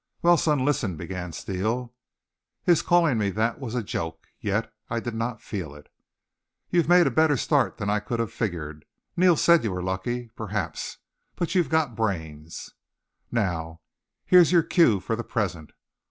"Well, son, listen," began Steele. His calling me that was a joke, yet I did not feel it. "You've made a better start than I could have figured. Neal said you were lucky. Perhaps. But you've got brains. "Now, here's your cue for the present.